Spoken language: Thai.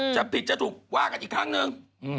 จะผิดจะถูกว่ากันอีกครั้งนึง